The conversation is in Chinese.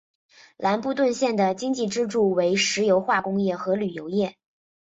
兰布顿县的经济支柱为石油化工业和旅游业。